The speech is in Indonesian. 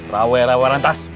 rawai rawa rantas